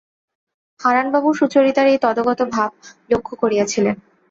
হারানবাবু সুচরিতার এই তদগত ভাব লক্ষ্য করিয়াছিলেন।